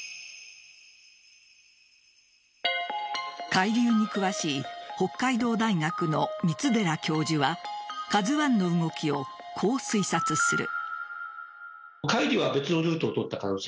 海流に詳しい北海道大学の三寺教授は「ＫＡＺＵ１」の動きをこう推察する。